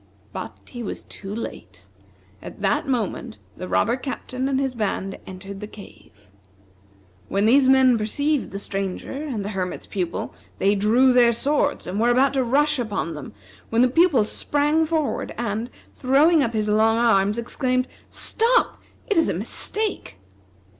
But he was too late. At that moment the robber captain and his band entered the cave. When these men perceived the Stranger and the Hermit's Pupil, they drew their swords and were about to rush upon them, when the Pupil sprang forward and, throwing up his long arms, exclaimed: "Stop! it is a mistake!"